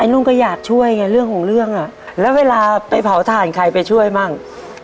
แล้วเวลาไปเผาถ่านใครไปช่วยบ้าง